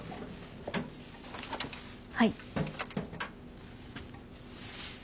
はい。